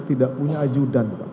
tidak punya ajudan pak